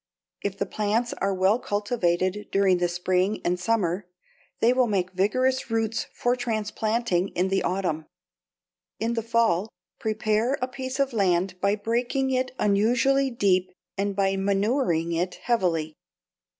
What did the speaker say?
If the plants are well cultivated during the spring and summer, they will make vigorous roots for transplanting in the autumn. In the fall prepare a piece of land by breaking it unusually deep and by manuring it heavily.